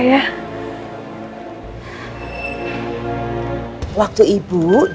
waktu ibu dibawa ke sini ibu itu dalam karya